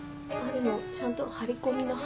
でもちゃんと張り込みの「張」。